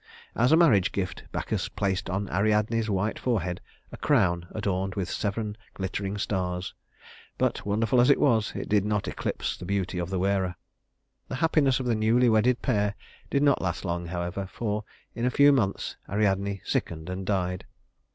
As a marriage gift, Bacchus placed on Ariadne's white forehead a crown adorned with seven glittering stars; but wonderful as it was, it did not eclipse the beauty of the wearer. The happiness of the newly wedded pair did not last long, however, for in a few months Ariadne sickened and died.